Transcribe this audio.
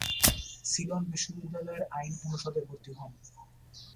Ceylon বিশ্ববিদ্যালয়ের আইন অনুষদে ভর্তি হন।